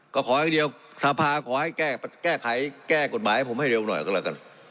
ก็ขออย่างเดียวสภาขอให้แก้ไขแก้กฎหมายให้ผมให้เร็วหน่อยก็แล้วกัน